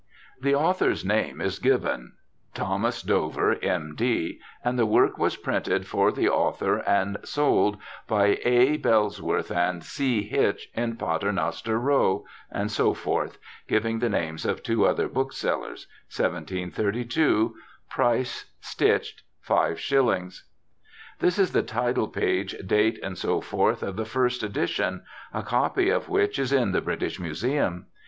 The author's name is given, Thomas Dover, M.D., and the work was printed for the author and sold by A. Bellesworth and C. Hitch in Pater Noster Row, &c. (giving the names of two other booksellers), 1732. Price, stitched, Five Shillings. 30 BIOGRAPHICAL ESSAYS This is the title page, date, &c., of the first edition, a copy of which is in the British Museum.